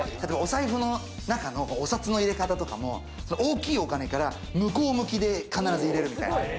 お財布の中のお札の入れ方とかも、大きいお金から向こう向きで必ず入れるみたいな。